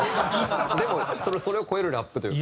でもそれを超えるラップというか。